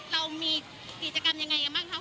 เรามีกิจกรรมยังไงบ้างคะคุณสัตว์ภรรณ์